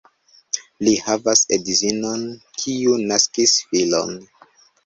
Li havas edzinon, kiu naskis filon.